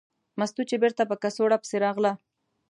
مستو چې بېرته په کڅوړه پسې راغله.